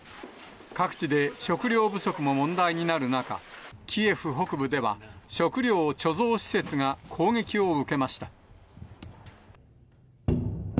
各地で食料不足も問題になる中、キエフ北部では、食糧貯蔵施設が攻撃を受けました。